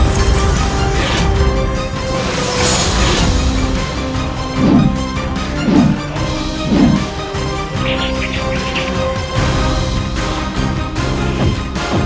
sampai jumpa di video selanjutnya